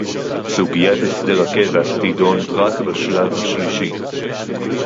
סוגיית הסדר הקבע תידון רק בשלב השלישי